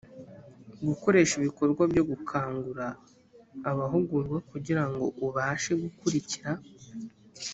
gukoresha ibikorwa byo gukangura abahugurwa kugira ngo ubafashe gukurikira